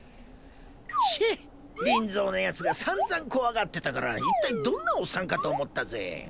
チェッリンゾーのやつがさんざん怖がってたから一体どんなおっさんかと思ったぜ。